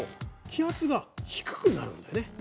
気圧が低くなるんだよね。